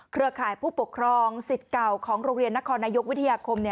ข่ายผู้ปกครองสิทธิ์เก่าของโรงเรียนนครนายกวิทยาคม